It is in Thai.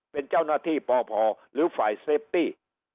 เป็นเจ้าหน้าที่ปพหรือฝ่ายเซฟตี้